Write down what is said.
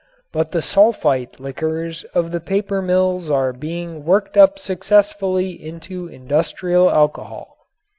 But the sulfite liquors of the paper mills are being worked up successfully into industrial alcohol.